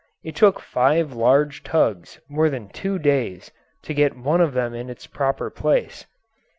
It took five large tugs more than two days to get one of them in its proper place.